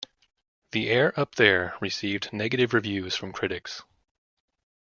"The Air Up There" received negative reviews from critics.